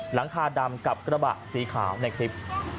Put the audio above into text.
หลังคาดำกับกระบะสีขาวในคลิป